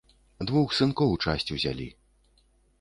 Двух сынкоў часць узялі.